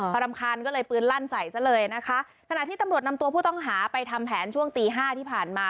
พอรำคาญก็เลยปืนลั่นใส่ซะเลยนะคะขณะที่ตำรวจนำตัวผู้ต้องหาไปทำแผนช่วงตีห้าที่ผ่านมา